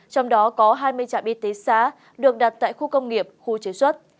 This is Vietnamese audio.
trong đó có hai mươi trạm y tế xã được đặt tại khu công nghiệp khu chế xuất